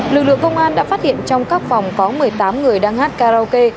lực lượng công an đã phát hiện trong các phòng có một mươi tám người đang hát karaoke